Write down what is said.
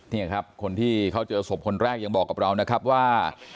นี่ครับคนที่เขาเจอศพคนแรกยังบอกกับเรานะครับว่า